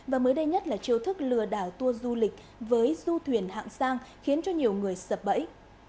và mới đây nhất là chiêu thức lừa đảo tour du lịch với du thuyền hạng sang khiến cho nhiều người sập bẫy